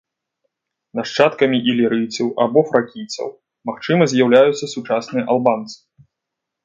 Нашчадкамі ілірыйцаў або фракійцаў магчыма з'яўляюцца сучасныя албанцы.